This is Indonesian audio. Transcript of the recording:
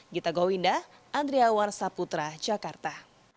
gita gowinda andrea warsaputra jakarta